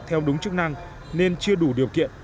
theo đúng chức năng nên chưa đủ điều kiện